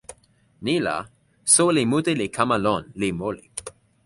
ni la, soweli mute li kama lon, li moli.